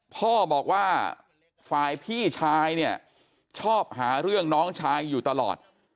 พ่อบอกว่าฝ่ายพี่ชายเนี่ยชอบหาเรื่องน้องชายอยู่ตลอด